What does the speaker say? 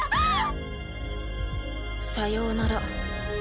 さようなら